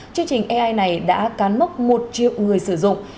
chương trình ai này đã cán mốc một triệu người sử dụng